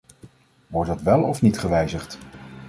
Wordt dat wel of niet gewijzigd?